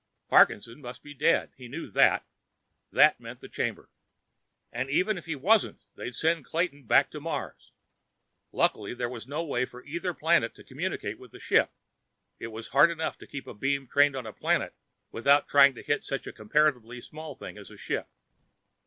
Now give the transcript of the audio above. Parkinson must be dead; he knew that. That meant the Chamber. And even if he wasn't, they'd send Clayton back to Mars. Luckily, there was no way for either planet to communicate with the ship; it was hard enough to keep a beam trained on a planet without trying to hit such a comparatively small thing as a ship.